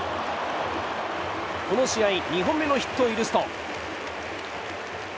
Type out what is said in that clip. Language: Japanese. この試合２本目のヒットを許すと。